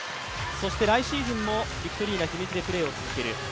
そして、来シーズンもヴィクトリーナ姫路でプレーを続ける。